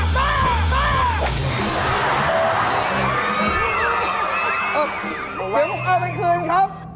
เดี๋ยวผมเอาไปคืนครับ